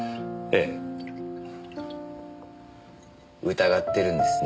疑ってるんですね